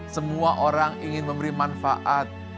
semua orang ingin memberi manfaat